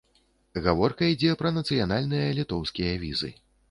Гаворка ідзе пра нацыянальныя літоўскія візы.